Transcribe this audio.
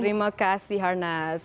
terima kasih harnas